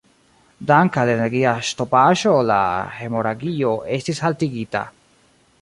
Dank' al energia ŝtopaĵo la hemoragio estis haltigita.